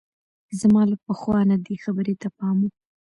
زما له پخوا نه دې خبرې ته پام وو.